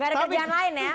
gak ada pilihan lain ya